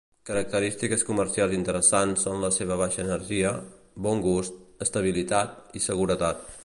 Característiques comercials interessants són la seva baixa energia, bon gust, estabilitat i seguretat.